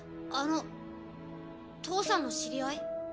あの父さんの知り合い？